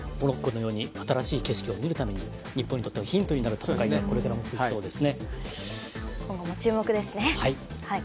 ４年後、モロッコのように新しい景色を見るために日本にとってヒントになる戦いがこれからも続きそうですね。